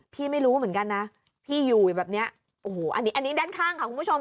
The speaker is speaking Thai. พี่ไม่รู้เหมือนกันนะพี่อยู่แบบนี้อันนี้ด้านข้างค่ะคุณผู้ชม